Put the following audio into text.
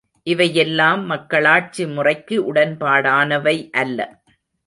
இவையெல்லாம் மக்களாட்சி முறைக்கு உடன்பாடானவை அல்ல.